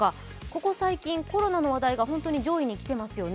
ここ最近、コロナの話題が本当に上位に来ていますよね。